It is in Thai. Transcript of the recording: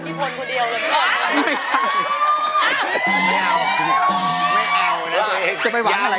เห็นแล้วเขาเอาใจไปใส่ที่ใคร